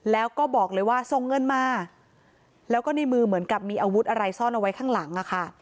แล้วก็บอกเลยว่าส่งเงินมาแล้วก็ในมือเหมือนกับมีอาวุธอะไรซ่อนเอาไว้ข้างหลังอะค่ะ